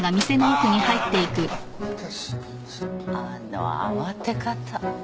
あの慌て方。